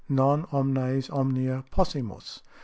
_Non omnes omnia possumus.